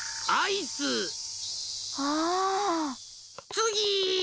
つぎ。